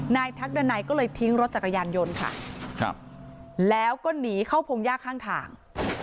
ทักดันัยก็เลยทิ้งรถจักรยานยนต์ค่ะครับแล้วก็หนีเข้าพงหญ้าข้างทาง